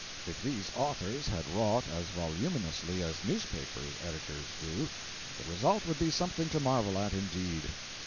If these authors had wrought as voluminously as newspaper editors do, the result would be something to marvel at, indeed.